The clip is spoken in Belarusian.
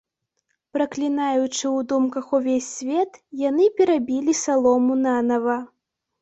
Праклінаючы ў думках увесь свет, яны перабілі салому нанава.